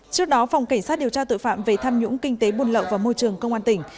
trước đó phòng cảnh sát điều tra tội phạm về tham nhũng kinh tế buôn lậu và môi trường công an tỉnh